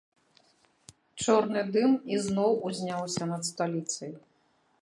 Чорны дым ізноў узняўся над сталіцай.